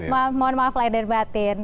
mohon maaf lai dan batin